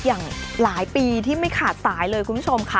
อย่างหลายปีที่ไม่ขาดสายเลยคุณผู้ชมค่ะ